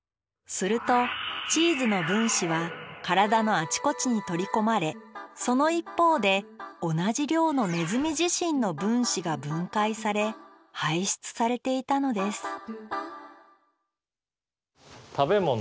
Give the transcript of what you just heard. するとチーズの分子は体のあちこちに取り込まれその一方で同じ量のネズミ自身の分子が分解され排出されていたのです